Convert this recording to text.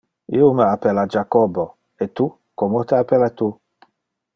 Io me appella Jacobo. E tu? Como te appella tu?